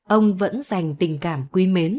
ông vẫn dành tình cảm quý mến